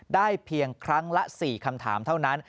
เพียงครั้งละ๔คำถามเท่านั้น